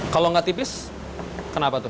kalau nggak tipis kenapa tuh